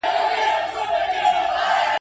چي پر چا غمونه نه وي ورغلي ,